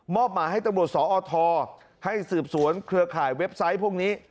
หมาให้ตำรวจสอทให้สืบสวนเครือข่ายเว็บไซต์พวกนี้